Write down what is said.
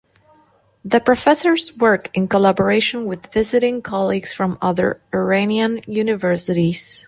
The professors work in collaboration with visiting colleagues from other Iranian universities.